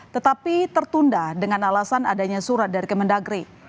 tetapi tertunda dengan alasan adanya surat dari kemendagri